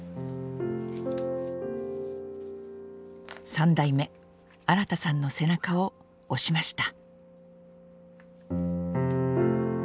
３代目・新さんの背中を押しました。